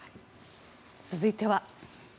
続いては。